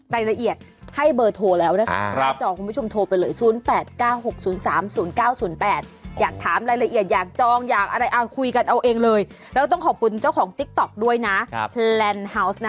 รายละเอียดให้เบอร์โทรแล้วนะค่ะ